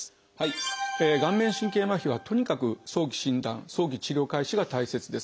顔面神経麻痺はとにかく早期診断早期治療開始が大切です。